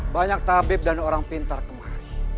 banyak tabib dan orang pintar kemah